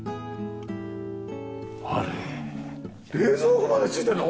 あれ冷蔵庫まで付いてんの！？